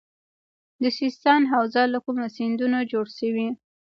د سیستان حوزه له کومو سیندونو جوړه شوې؟